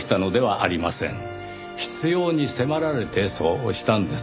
必要に迫られてそうしたんです。